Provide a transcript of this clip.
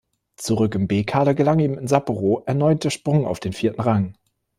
Zurück im B-Kader gelang ihm in Sapporo erneut der Sprung auf den vierten Rang.